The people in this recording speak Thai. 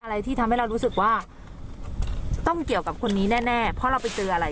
อะไรที่ทำให้เรารู้สึกว่าต้องเกี่ยวกับคนนี้แน่แน่เพราะเราไปเจออะไร